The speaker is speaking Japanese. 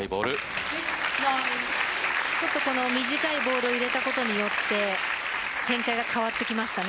ちょっと短いボールを入れたことによって展開が変わってきました。